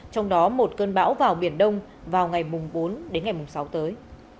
trong đó một cơn bão vào biển đông vào ngày bốn sáu tới